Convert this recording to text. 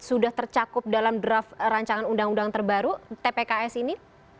sudah tercakup dalam draft rancangan undang undang terbaru tpks ini